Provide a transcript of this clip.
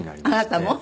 あなたも？